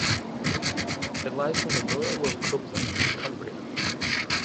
It lies in the Borough of Copeland in Cumbria.